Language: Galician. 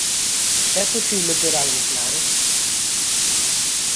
É posible ter algo claro?